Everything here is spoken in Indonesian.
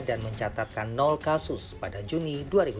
dan mencatatkan kasus pada juni dua ribu dua puluh satu